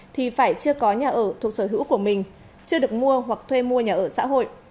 thì phải chưa có nhà ở thuộc sở hữu của mình chưa được mua hoặc thuê mua nhà ở xã hội